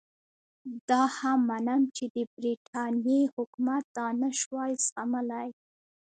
دا هم منم چې د برټانیې حکومت دا نه شوای زغملای.